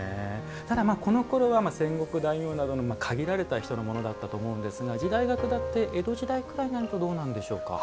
ただ、このころは戦国大名などの限られた人のものだったと思うんですが時代がくだって江戸時代ぐらいになるとどうなんでしょうか。